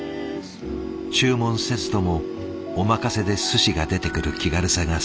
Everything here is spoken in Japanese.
注文せずともお任せですしが出てくる気軽さが好きだった。